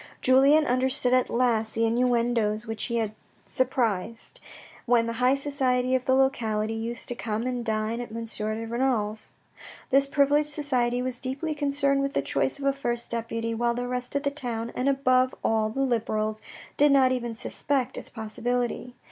Julien understood at last the inuendoes which he had surprised, when the high society of the locality used to come and dine at M. de Renal's. This privileged society was deeply concerned with the choice of a first deputy, while the rest of the town, and above all, the Liberals, did not even suspect its possibility.